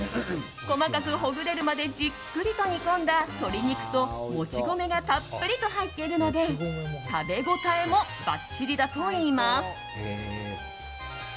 細かくほぐれるまでじっくりと煮込んだ鶏肉と、もち米がたっぷりと入っているので食べ応えもばっちりだといいます。